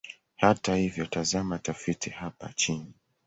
Hata hivyo, tazama tafiti hapa chini.